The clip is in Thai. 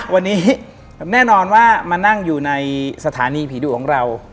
วันนี้แน่นอนว่ามานั่งอยู่ในสถานีผีดุของเรา